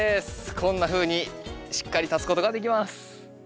こんなふうにしっかり立つことができます。